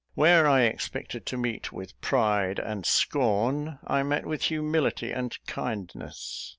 Where I expected to meet with pride and scorn, I met with humility and kindness.